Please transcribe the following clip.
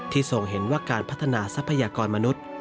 ทรงเห็นว่าการพัฒนาทรัพยากรมนุษย์